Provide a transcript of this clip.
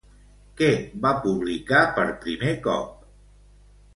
Què va publicar per primer cop?